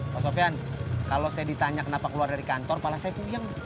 pak sofian kalau saya ditanya kenapa keluar dari kantor malah saya punya